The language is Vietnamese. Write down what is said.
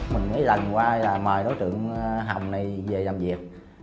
mình mới lần qua mời đối tượng hồng này về làm việc